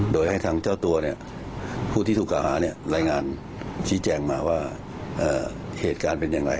โดยให้ทั้งเจ้าตัวผู้ที่ถูกก่อหาละอิงานชี้แจงมาว่าเหตุการณ์เป็นอย่างไร